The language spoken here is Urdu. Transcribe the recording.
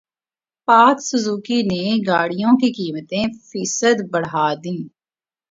پاک سوزوکی نے گاڑیوں کی قیمتیں فیصد بڑھا دیں